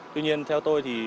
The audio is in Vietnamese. tuy nhiên theo tôi thì